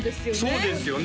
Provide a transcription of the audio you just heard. そうですよね